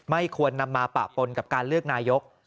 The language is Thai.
ไม่ควรนำมาปะปนกับการเลือกนายก